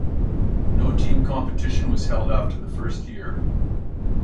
No team competition was held after the first year.